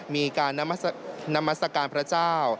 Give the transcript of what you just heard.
มีการนามัศกาลพระเจ้า